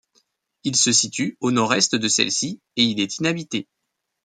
Il se situe au nord-est de celle-ci et il est inhabité.